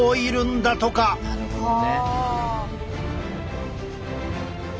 なるほどね。